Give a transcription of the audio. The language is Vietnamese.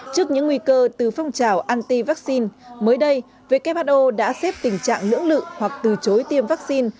trước những nguy cơ từ phong trào anti vaccine mới đây who đã xếp tình trạng lưỡng lự hoặc từ chối tiêm vaccine